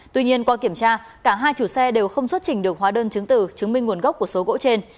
tuy nhiên qua kiểm tra cả hai chủ xe đều không xuất trình được hóa đơn chứng từ chứng minh nguồn gốc của số gỗ trên